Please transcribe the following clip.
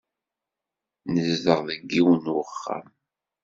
Nezdeɣ deg yiwen n uxxam.